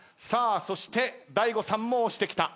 そして大悟さんも押してきた。